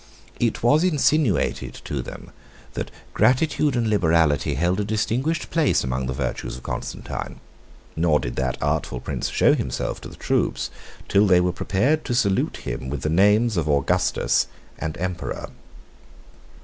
It was insinuated to them, that gratitude and liberality held a distinguished place among the virtues of Constantine; nor did that artful prince show himself to the troops, till they were prepared to salute him with the names of Augustus and Emperor.